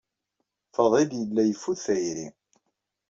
Fadil yella yeffud tayri.